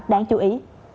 đáng chú ý